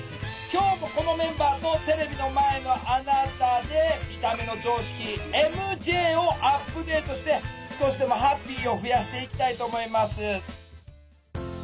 今日もこのメンバーとテレビの前のあなたで「見た目の常識ＭＪ」をアップデートして少しでもハッピーを増やしていきたいと思います。